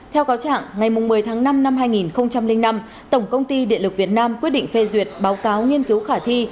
theo cáo trạng ngày một mươi tháng năm năm hai nghìn năm tổng công ty điện lực việt nam quyết định phê duyệt báo cáo nghiên cứu khả thi